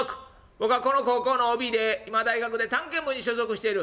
僕はこの高校のＯＢで今大学で探検部に所属している」。